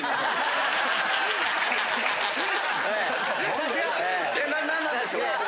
さすが！何なんでしょう。